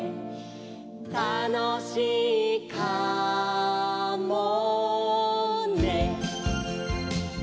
「たのしいかもね」